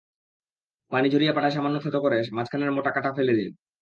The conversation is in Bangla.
পানি ঝরিয়ে পাটায় সামান্য থেঁতো করে মাঝখানের মোটা কাঁটা ফেলে দিন।